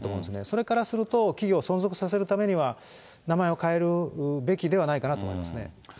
それからすると、企業を存続させるためには、名前を変えるべきではないかなと思いますね。